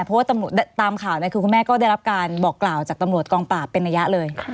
เพราะว่าตามข่าวคือคุณแม่ก็ได้รับการบอกกล่าวจากตำรวจกองปราบเป็นระยะเลย